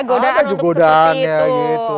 godaan untuk seperti itu